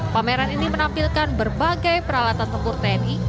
pameran ini menampilkan berbagai peralatan tempur tni